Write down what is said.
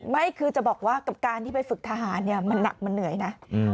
ไม่คือจะบอกว่ากับการที่ไปฝึกทหารมันหนักมันเหนื่อยนะ